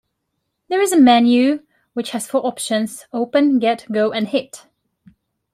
There is a menu which has four options, open, get, go, and hit.